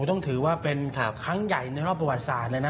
ต้องถือว่าเป็นครั้งใหญ่ในรอบประวัติศาสตร์เลยนะ